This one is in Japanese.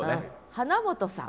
花本さん。